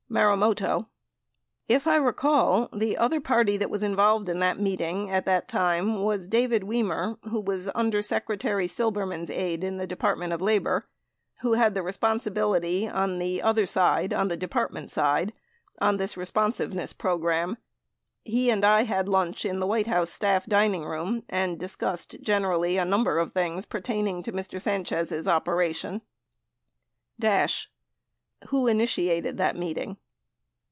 Marumoto. If I recall, the other party that was involved in that meeting at the time was David Wimer, who was Under Secretary Silberman's aide in the Department of Labor, who had the responsibility on the other side — on the Department side — on this Responsiveness Program. He and I had lunch in the White House staff dining room and discussed generally a number of things pertaining to Mr. Sanchez' operation. Dash. Who initiated the meeting